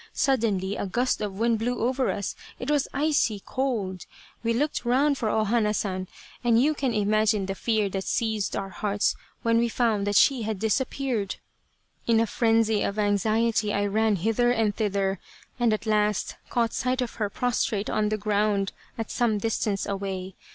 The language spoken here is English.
Suddenly, a gust of wind blew over us. It was icy cold ! We looked round for O Hana San, and you can imagine the fear R 257 A Cherry Flower Idyll that seized our hearts when we found that she had disappeared. In a frenzy of anxiety I ran hither and thither, and at last caught sight of her prostrate on the ground at some distance away.